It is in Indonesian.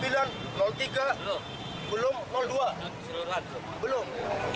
kalau memang hari ini nggak ada teras terus